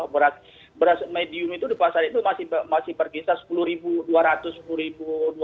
beras medium itu di pasar itu masih berkisar rp sepuluh dua ratus rp sepuluh dua ratus